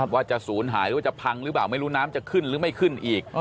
ว่าจะศูนย์หายหรือว่าจะพังหรือเปล่าไม่รู้น้ำจะขึ้นหรือไม่ขึ้นอีก